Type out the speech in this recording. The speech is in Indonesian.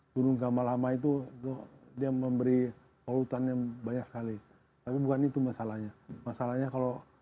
gunung gama lama itu dia memberi olutan yang banyak kali tapi bukan itu masalahnya masalahnya kalau